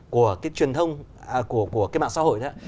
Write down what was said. của cái truyền thông của cái mạng xã hội đó